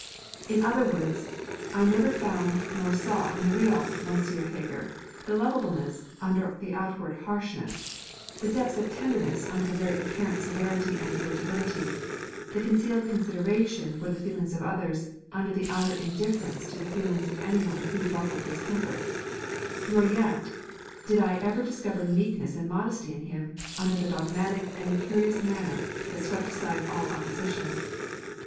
In other words, I never found nor saw in the real Monsieur Heger the lovableness under the outward harshness, the depths of tenderness under the very apparent severity and irritability, the concealed consideration for the feelings of others, under the outer indifference to the feelings of any one who ruffled his temper; nor yet did I ever discover meekness and modesty in him, under the dogmatic and imperious manner that swept aside all opposition.